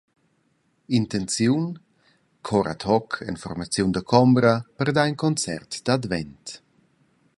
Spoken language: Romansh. Intenziun: Chor ad hoc en formaziun da combra per dar in concert d’Advent.